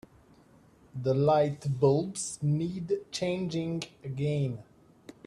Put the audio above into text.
The lightbulbs need changing again.